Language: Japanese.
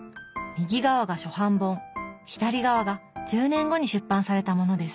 右側が初版本左側が１０年後に出版されたものです。